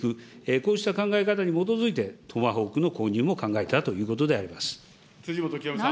こうした考え方に基づいて、トマホークの購入も考えたということ辻元清美さん。